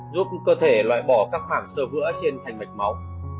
giúp cơ thể loại bỏ các mảng sơ vữa trên thành mạch máu